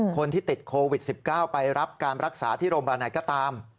คนที่ติดโควิด๑๙ไปรับการรักษาที่โรงพยาบาลไหนก็ตาม